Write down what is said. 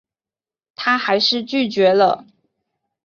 她还是拒绝了